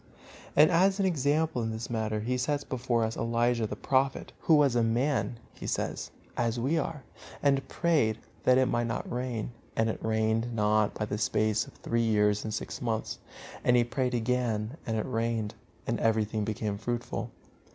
And as an example in this matter he sets before us Elijah, the Prophet, "who was a man," he says, "as we are, and prayed, that it might not rain; and it rained not by the space of three years and six months. And he prayed again, and it rained, and everything became fruitful."